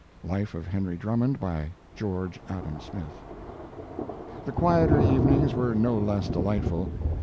[Life of Henry Drummond, by George Adam Smith.] The quieter evenings were no less delightful.